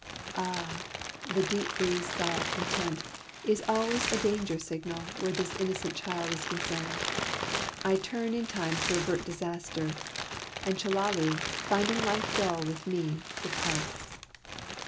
"Ah!" the deep breathed sigh of content is always a danger signal where this innocent child is concerned. I turn in time to avert disaster, and Chellalu, finding life dull with me, departs.